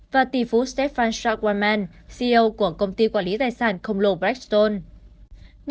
và tỷ phú stefan strachanman ceo của công ty quản lý tài sản konglo blackstone